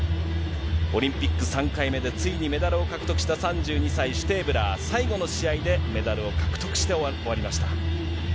オリンピック３回目でついにメダルを獲得した３２歳、シュテーブラー、最後の試合でメダルを獲得して終わりました。